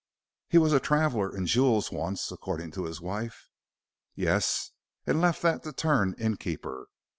"He was a traveller in jewels once, according to his wife." "Yes, and left that to turn innkeeper.